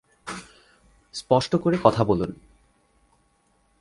স্পষ্ট করে কথা বলুন।